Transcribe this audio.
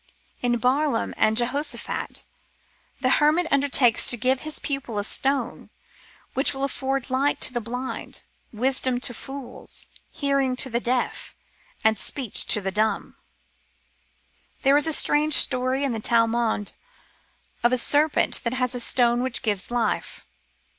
In Barlaam and Josaphat the hermit undertakes to give his pupil a stone which will afford light to the blind, wisdom to fools, hear ing to the deaf, and speech to the dumb. There is a strange story in the Talmud^ of a serpent that has a stone which gives life.